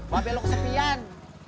babe lu kesepian